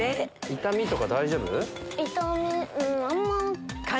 痛みとか大丈夫？